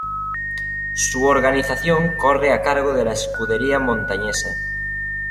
Su organización corre a cargo de la Escudería Montañesa.